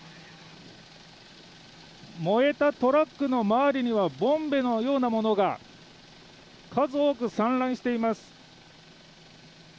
燃えたトラックの周りにはボンベのようなものが数多く散乱しています。